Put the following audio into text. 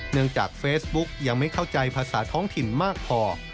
เนื่องจากเฟซบุ๊กยังไม่เข้าใจภาษาท้องถิ่นมากพอ